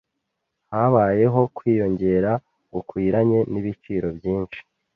Habayeho kwiyongera gukwiranye nibiciro byinshi.